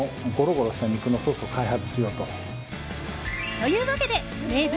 というわけで名物！